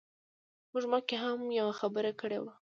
موږ مخکې هم یوه خبره کړې وه.